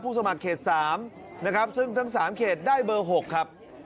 สมัครเขต๓นะครับซึ่งทั้ง๓เขตได้เบอร์๖ครับ